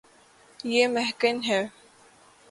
یے مہکن ہے